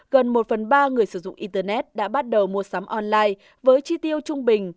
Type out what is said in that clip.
gần một phần ba người sử dụng internet đã bắt đầu mua sắm online với chi tiêu trung bình